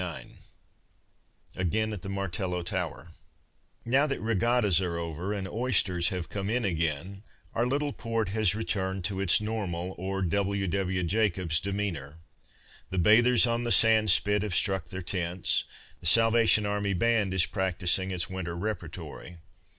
210 AGAIN AT THE MARTELLO TOWER Now that regattas are over and oysters have come in again, our little port has returned to its normal or W. W. Jacobs demeanour. The bathers on the sand spit have struck their tents. The Salvation Army band is practising its winter repertory.